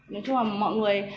nói chung là mọi người